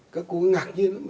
các cô ngạc nhiên lắm